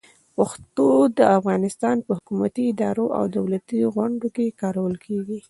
پښتو د افغانستان په حکومتي ادارو او دولتي غونډو کې کارول کېږي.